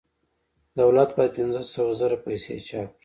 دولت باید پنځه سوه زره پیسې چاپ کړي